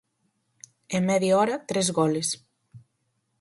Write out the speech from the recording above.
En media hora, tres goles.